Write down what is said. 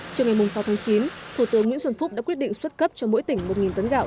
chiều ngày sáu tháng chín thủ tướng nguyễn xuân phúc đã quyết định xuất cấp cho mỗi tỉnh một tấn gạo